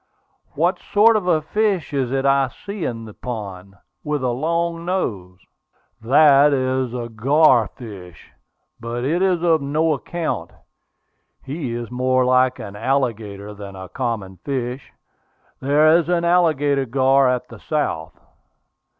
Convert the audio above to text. "What sort of a fish is it I see in this pond, with a long nose?" "That is the gar fish; but it is of no account. He is more like an alligator than a common fish. There is an alligator gar at the South.